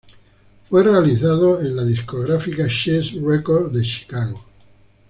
Fue realizado en la discográfica Chess Records de Chicago.